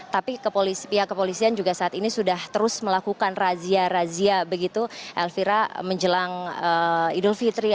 tapi pihak kepolisian juga saat ini sudah terus melakukan razia razia begitu elvira menjelang idul fitri